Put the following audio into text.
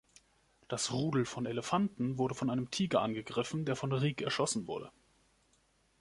Das Rudel von Elefanten wurde von einem Tiger angegriffen, der von Rik erschossen wurde.